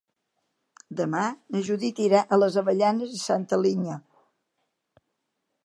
Demà na Judit irà a les Avellanes i Santa Linya.